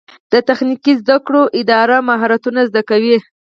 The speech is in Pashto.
د تخنیکي زده کړو اداره مهارتونه زده کوي